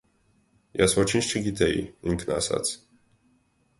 Ես ոչինչ չգիտեի, ինքն ասաց…